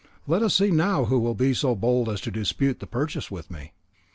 Let us see now who will be so bold as to dispute the purchase with me."